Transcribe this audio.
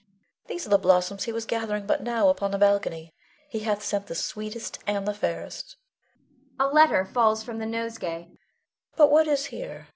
] These are the blossoms he was gathering but now upon the balcony; he hath sent the sweetest and the fairest [a letter falls from the nosegay]. But what is here?